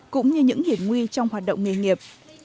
cũng như những hiểm nguy trong hoạt động nghề nghiệp